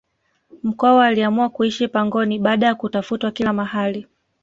mkwawa aliamua kuishi pangoni baada ya kutafutwa kila mahali